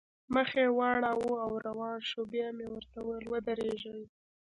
مخ یې واړاوه او روان شول، بیا مې ورته وویل: ودرېږئ.